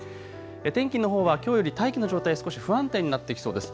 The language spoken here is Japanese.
天気のほうはきょうより大気の状態、少し不安定になってきそうです。